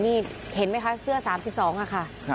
นี่เห็นไหมคะเสื้อ๓๒ค่ะ